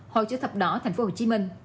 hội chủ thập đỏ tp hcm